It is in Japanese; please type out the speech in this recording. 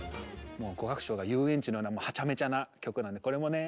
もう５楽章が遊園地のようなはちゃめちゃな曲なんでこれもね